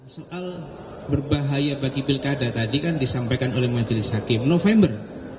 soal berbahaya bagi pilkada tadi kan disampaikan oleh majelis hakim november